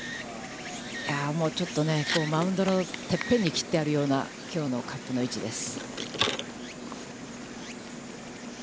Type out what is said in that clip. もうちょっと、マウンドのてっぺんに切ってあるようなきょうのカップの位置です。